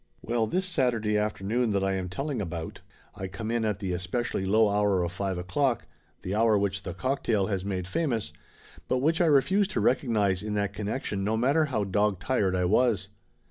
Well, this Saturday afternoon that I am telling about, I come in at the especially low hour of five o'clock, the hour which the cocktail has made famous, but which I refused to recognize in that connection no matter how dog tired I was.